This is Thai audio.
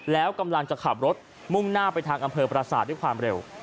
แล้วกำลังจะขับรถมุ่งหน้าไปทางอำเภอประสาทด้วยความเร็ว